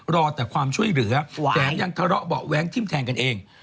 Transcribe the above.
รอแต่ความช่วยเหลือแถมยังทะเลาะเบาะแว้งทิ้มแทงกันเอง